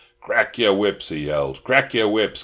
"Crack your whips!" he yelled. "Crack your whips!